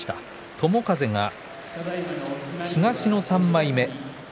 友風は東の３枚目。